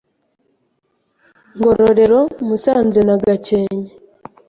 Ngororero, Musanze, na Gakenke